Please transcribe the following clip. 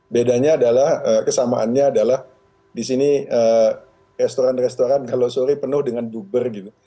bedanya adalah kesamaannya adalah di sini restoran restoran kalau sore penuh dengan buber gitu